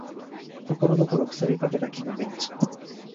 ところどころ腐りかけた木のベンチ